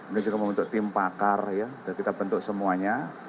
ini juga membentuk tim pakar ya sudah kita bentuk semuanya